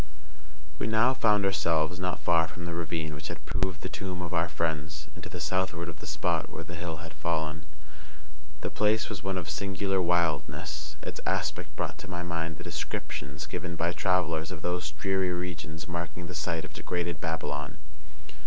We now found ourselves not far from the ravine which had proved the tomb of our friends, and to the southward of the spot where the hill had fallen. The place was one of singular wildness, and its aspect brought to my mind the descriptions given by travellers of those dreary regions marking the site of degraded Babylon.